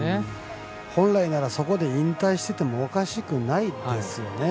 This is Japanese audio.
本来ならそこで引退していてもおかしくないですよね。